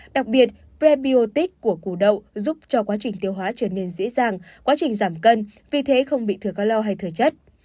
đặc biệt prebiotic của củ đậu giúp cho quá trình tiêu hóa trở nên dễ dàng quá trình giảm cân vì thế không bị thừa calor hay thừa chất